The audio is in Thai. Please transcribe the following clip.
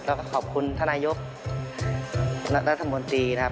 แล้วก็ขอบคุณท่านนายกรัฐมนตรีนะครับ